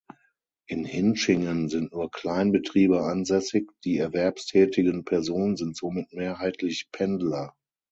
In Hintschingen sind nur Kleinbetriebe ansässig, die erwerbstätigen Personen sind somit mehrheitlich Pendler.